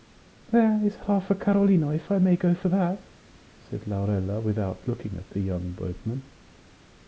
"There is half a carlino, if I may go for that?" said Laurella, without looking at the young boatman.